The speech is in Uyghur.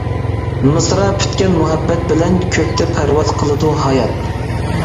مىسرا پۈتكەن مۇھەببەت بىلەن، كۆكتە پەرۋاز قىلىدۇ ھايات.